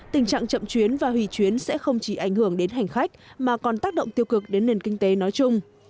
tình trạng chậm chuyến và hủy chuyến sẽ không chỉ ảnh hưởng đến hành khách mà còn tác động tiêu cực đến nền kinh tế nói chung